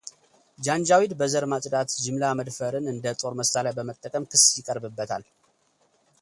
ጃንጃዊድ በዘር ማጽዳት ጅምላ መድፈርን እንደ ጦር መሳሪያ በመጠቀም ክስ ይቀርብበታል።